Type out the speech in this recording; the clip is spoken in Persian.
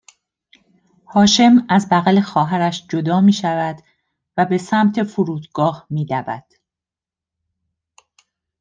هاشم از بغل خواهرش جدا میشود و به سمت فرودگاه میدود